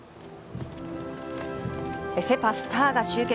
セ・パのスターが集結。